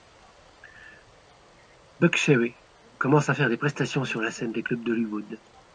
Buckcherry commence à faire des prestations sur la scène des clubs d'Hollywood.